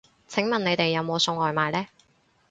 請問你哋有冇送外賣呢